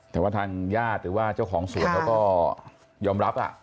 แต่ว่าทางญาติหรือว่าเจ้าของสวนเขาก็ยอมรับ